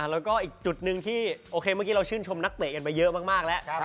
แล้วก็อีกจุดหนึ่งที่โอเคเมื่อกี้เราชื่นชมนักเตะกันไปเยอะมากแล้ว